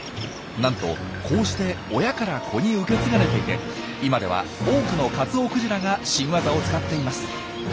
なんとこうして親から子に受け継がれていて今では多くのカツオクジラが新ワザを使っています。